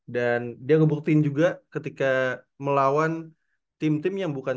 dan dia ngebuktin juga ketika melawan tim tim yang bukan